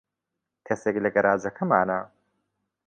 کەسێک لە گەراجەکەمانە.